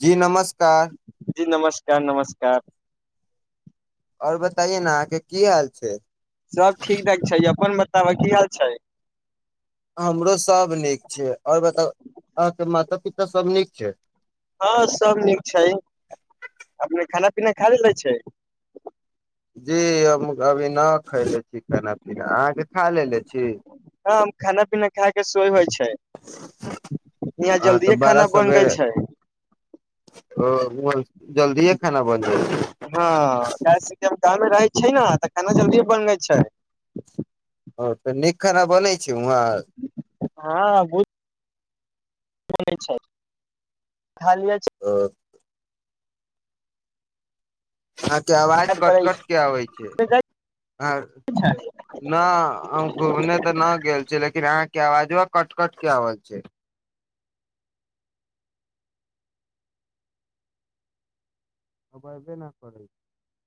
जी नमस्कार जी नमस्कार नमस्कार आओर बताइए ने अहाँके की हाल छै सब ठीक ठाक छै अपन बताबऽ की हाल छै हमरो सभ नीक छैय आओर बता अहाँके माता पिता सभ नीक छैय हँ सब नीक छैय अपने खाना पीना खा लेले छैय जी हम अभी न खयले छी खाना पीना अहाँके खा लेलेे छी ह खाना पीना खाायऽ सोइ होइ छैय यहाँ अहाँ तऽ जल्दिए बड़ा खाना बन गेल छैय। ओ हँ [unintelligible] छैय ने तऽ खाना जल्दी बनै छैय ओ तऽ नीक खाना बोनै छैय उहां? ओ, [unintelligible] अहाँके आवाज कट कट के आबै छैय। छै नहि हम घूमने तऽ नहि गेल छीय लेकिन अहां क जो कटकट कवल छैय। [unintelligible]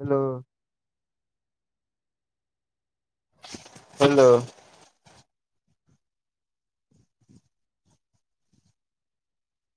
हेलो हलो